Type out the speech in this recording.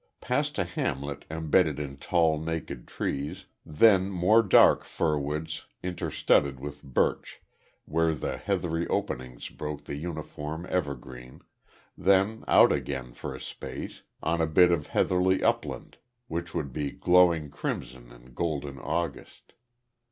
Past a hamlet embedded in tall, naked trees, then more dark firwoods interstudded with birch where the heathery openings broke the uniform evergreen then out again for a space on a bit of heathery upland which would be glowing crimson in golden August.